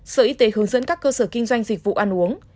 sở y tế hướng dẫn các cơ sở kinh doanh dịch vụ ăn uống